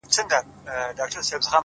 چي مو وركړي ستا د سترگو سېپارو ته زړونه _